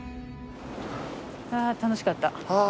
あぁ楽しかった。